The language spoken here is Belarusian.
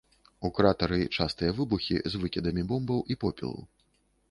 У кратары частыя выбухі з выкідамі бомбаў і попелу.